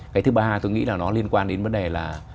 cái thứ ba tôi nghĩ là nó liên quan đến vấn đề là